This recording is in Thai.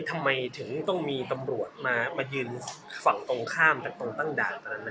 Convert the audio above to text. ทำไมถึงต้องมีตำรวจมายืนฝั่งตรงข้ามจากตรงตั้งด่านตอนนั้น